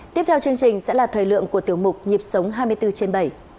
tiếp theo chương trình sẽ là thời lượng của tiểu mục nhịp sống hai mươi bốn trên bảy